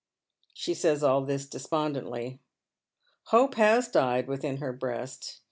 She says all this despondently. Hope has died within her breast.